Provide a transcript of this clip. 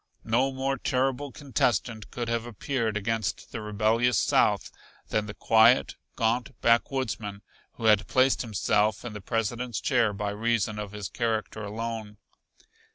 No more terrible contestant could have appeared against the rebellious South than the quiet, gaunt backwoodsman who had placed himself in the President's chair by reason of his character alone.